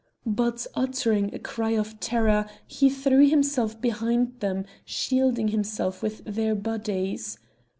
But uttering a cry of terror he threw himself behind them, shielding himself with their bodies.